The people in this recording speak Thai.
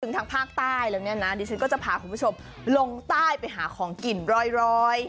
ทางภาคใต้แล้วเนี่ยนะดิฉันก็จะพาคุณผู้ชมลงใต้ไปหาของกินรอย